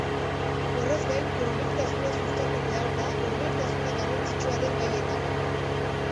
Horrez gain, hurbiltasuna sustatu behar da hurbiltasuna garrantzitsua den gaietarako.